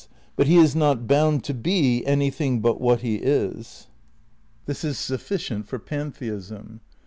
But he is not bound to be anything but what he is. This is sufficient for pantheism.